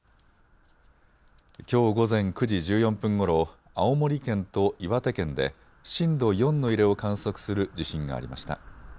きょう午前９時１４分ごろ青森県と岩手県で震度４の揺れを観測する地震がありました。